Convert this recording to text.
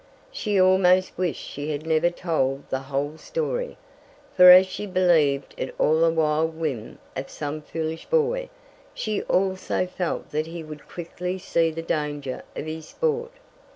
She almost wished she had never told the whole story, for as she believed it all a wild whim of some foolish boy, she also felt that he would quickly see the danger of his sport.